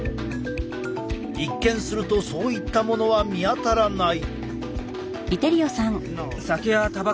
一見するとそういったものは見当たらない。